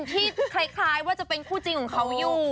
ที่คล้ายว่าจะเป็นคู่จริงของเขาอยู่